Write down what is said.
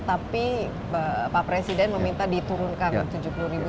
tapi pak presiden meminta diturunkan tujuh puluh ribu